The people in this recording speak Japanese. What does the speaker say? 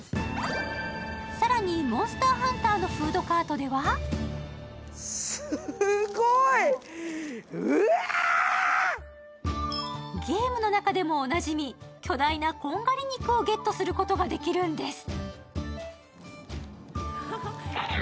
さらに「モンスターハンター」のフードカートではゲームの中でもおなじみ、巨大なこんがり肉をゲットすることができるんです。